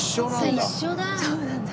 一緒だ！